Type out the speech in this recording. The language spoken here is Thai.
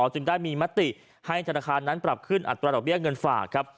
จึงได้มีมติให้ธนาคารนั้นปรับขึ้นอัตราดอกเบี้ยเงินฝากครับ